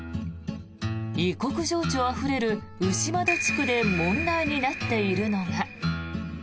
異国情緒あふれる牛窓地区で問題になっているのが。